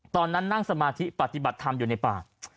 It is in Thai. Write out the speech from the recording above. ตอนนั้นนั่งสมาธิปฏิบัติธรรมอยู่ในป่า